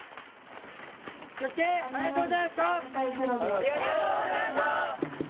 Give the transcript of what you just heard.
気をつけ、ありがとうございました。